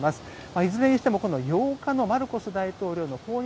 いずれにしても８日のマルコス大統領の訪日